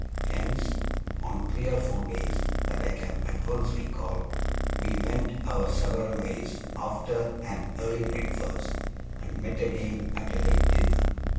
Hence, on three or four days that I can at once recall, we went our several ways after an early breakfast, and met again at a late dinner.